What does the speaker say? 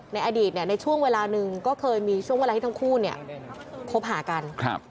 ในอดีตในช่วงเวลาหนึ่งก็เคยมีช่วงเวลาที่ทั้งคู่เนี่ยคบหากัน